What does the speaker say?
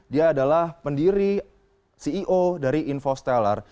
dia adalah pendiri ceo dari infosteller